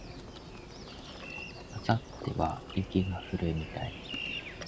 明後日は雪が降るみたい